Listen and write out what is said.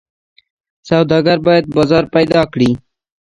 سوداګر باید بازار پیدا کړي.